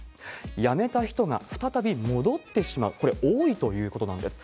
辞めた人が再び戻ってしまう、これ、多いということなんです。